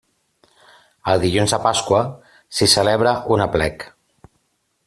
El dilluns de Pasqua s'hi celebra un aplec.